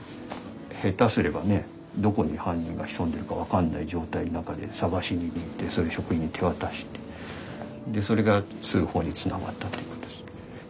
下手すればねどこに犯人が潜んでるか分かんない状態の中で探しに行ってそれ職員に手渡してでそれが通報につながったっていうことです。